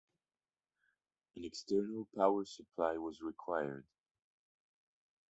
An external power supply was required.